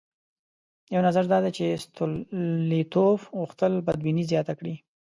یو نظر دا دی چې ستولیتوف غوښتل بدبیني زیاته کړي.